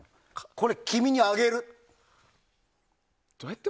これ、君にあげるって。